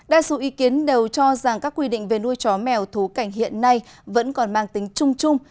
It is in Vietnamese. đa số ý kiến đều cho rằng các quy định về nuôi chó mèo thú cảnh hiện nay vẫn còn mang tính chung chung